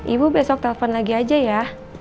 ibu besok telpon lagi aja ya